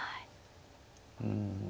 うん。